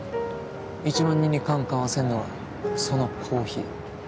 １万人に缶買わせんのはそのコーヒー。